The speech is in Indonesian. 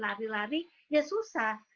lari lari ya susah